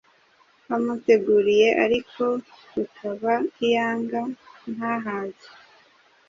bamuteguriye ariko bikaba iyanga, ntahage !